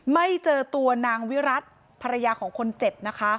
ไม่เจอตัวนางวิรัติภรรยาของคนเจ็บนะคะ